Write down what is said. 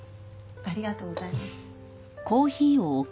ありがとうございます。